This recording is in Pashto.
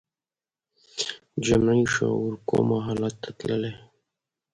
جمعي شعور کوما حالت ته تللی